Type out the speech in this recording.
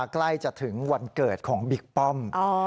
ใกล้จะถึงวันเกิดของบิ๊กป้อม